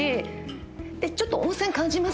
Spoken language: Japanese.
ちょっと温泉感じます